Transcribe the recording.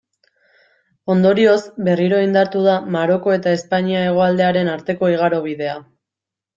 Ondorioz, berriro indartu da Maroko eta Espainia hegoaldearen arteko igarobidea.